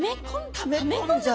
ため込んじゃう。